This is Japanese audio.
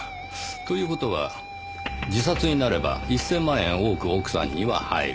という事は自殺になれば１０００万円多く奥さんには入る。